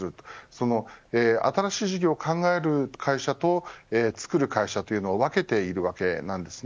その、新しい事業を考える会社と作る会社というのは分けているわけです。